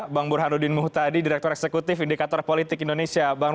bang burhanuddin muhtadi direktur eksekutif indikator politik indonesia